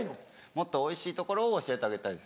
もっとおいしい所を教えてあげたいです